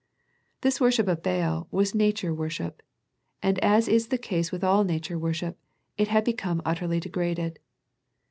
This worship of Baal was Nature worship, and as is the case with all Nature worship, it had become utterly degraded.